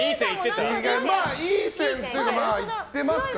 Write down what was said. いい線というかいってますかね。